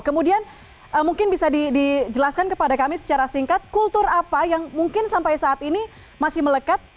kemudian mungkin bisa dijelaskan kepada kami secara singkat kultur apa yang mungkin sampai saat ini masih melekat